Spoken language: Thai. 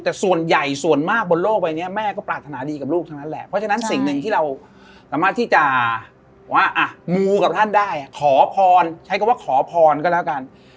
แต่ส่วนใหญ่ส่วนมากบนโลก